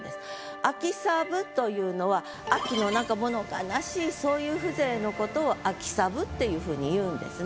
「秋寂ぶ」というのは秋のなんか物悲しいそういう風情のことを「秋寂ぶ」っていうふうにいうんですね。